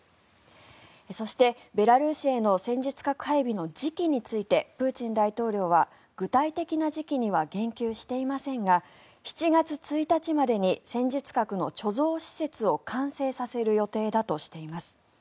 そして、ベラルーシへの戦術核配備の時期についてプーチン大統領は具体的な時期には言及していませんが７月１日までに戦術核の貯蔵施設を完成させる予定だとしています。